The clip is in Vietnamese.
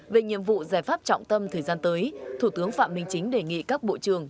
về nhiệm vụ giải pháp trọng tâm thời gian tới thủ tướng phạm minh chính đề nghị các bộ trưởng